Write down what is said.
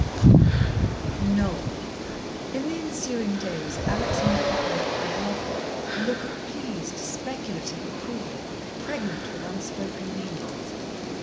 X Noel In the ensuing days, Alex met that look very often a look of pleased, speculative approval, pregnant with unspoken meanings.